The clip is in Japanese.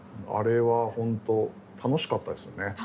あれは本当楽しかったですよね。